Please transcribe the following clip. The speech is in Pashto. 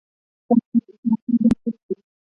تاسي باید له اسلام سره لاس یو کړئ.